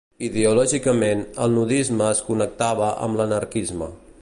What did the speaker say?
Ideològicament, el nudisme es connectava amb l’anarquisme.